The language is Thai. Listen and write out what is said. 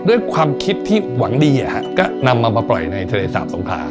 ด้วยความคิดที่หวังดีก็นำมามาปล่อยในทะเลสาบสงขลา